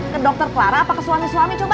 ke dokter clara apa ke suami suami coba